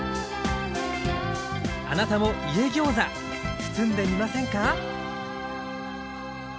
あなたも「家ギョーザ」包んでみませんか？